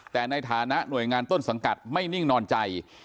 แต่ในฐานะหน่วยงานต้นสังกัดไม่นิ่งนอนใจ